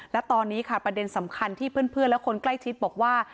และตอนนี้ค่ะประเด็นสำคัญที่เพื่อนและคนใกล้ชิดบอกว่า